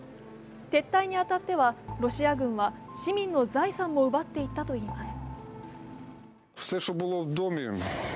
撤退に当たってはロシア軍は市民の財産も奪っていったといいます。